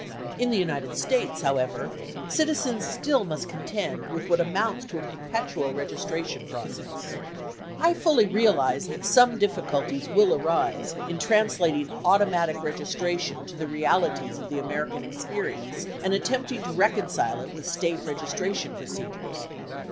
In the United States, however, citizens still must contend with what amounts to a perpetual registra tion process. I fully realize that some difficulties will arise in translat ing automatic registration to the realities of the American experience and attempting to reconcile it with State registration procedures.